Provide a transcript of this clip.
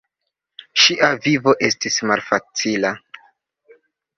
Ŝia vivo estis malfacila.